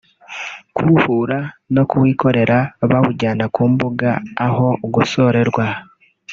kuwuhura no kuwikorera bawujyana ku mbuga aho ugosorerwa